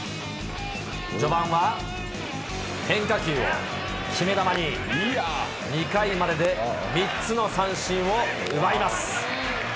序盤は、変化球を決め球に２回までで３つの三振を奪います。